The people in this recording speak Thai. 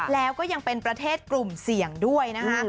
แล้วก็ยังเป็นประเทศกลุ่มเสี่ยงด้วยนะคะ